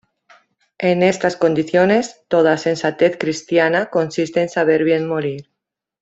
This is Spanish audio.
En estas condiciones, toda sensatez cristiana consiste en saber bien morir.